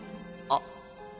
あっ。